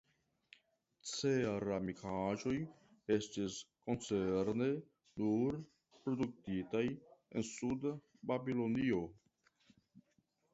Ceramikaĵoj estis komence nur produktitaj en suda Babilonio.